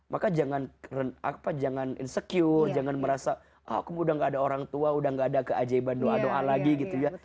maka jangan insecure jangan merasa ah kamu sudah tidak ada orang tua sudah tidak ada keajaiban doa doa lagi gitu ya